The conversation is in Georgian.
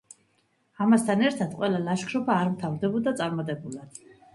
ამასთან ერთად, ყველა ლაშქრობა არ მთავრდებოდა წარმატებულად.